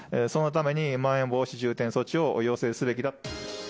そのためにまん延防止重点措置を要請すべきだと。